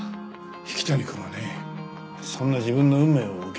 引谷くんはねそんな自分の運命を受け入れた。